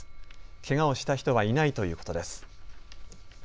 けがをした人はいないということです。